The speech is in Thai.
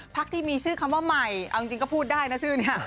ที่มีชื่อคำว่าใหม่เอาจริงก็พูดได้นะชื่อนี้